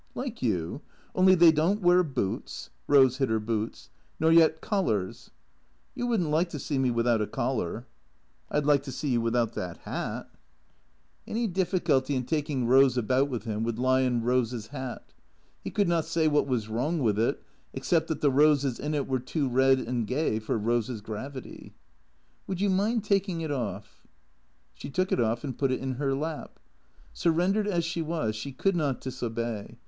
"Like you. Only they don't wear boots" (Rose hid her boots), "nor yet collars." " You would n't like to see me without a collar." " I 'd like to see you without that hat." 3 36 THE CREATOKS Any difficulty in taking Eose about with him would lie in Eose's hat. He could not say what was wrong with it except that the roses in it were too red and gay for Eose's gravity. " Would you mind taking it off ?" She took it off and put it in her lap. Surrendered as she was, she could not disobey.